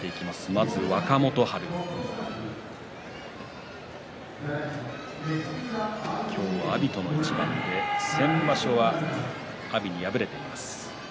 まず若元春今日は阿炎との一番で、先場所は阿炎に敗れています。